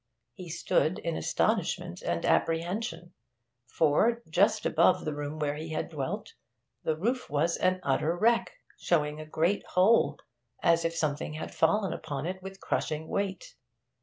He stood in astonishment and apprehension, for, just above the room where he had dwelt, the roof was an utter wreck, showing a great hole, as if something had fallen upon it with crushing weight.